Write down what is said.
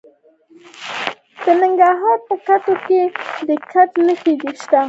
د ننګرهار په کوټ کې د ګچ نښې شته.